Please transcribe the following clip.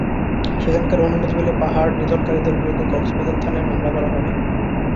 সেখানকার অনুমতি পেলে পাহাড় নিধনকারীদের বিরুদ্ধে কক্সবাজার থানায় মামলা করা হবে।